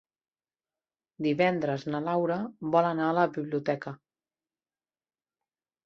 Divendres na Laura vol anar a la biblioteca.